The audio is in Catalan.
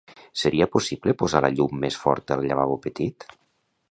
Seria possible posar la llum més forta al lavabo petit?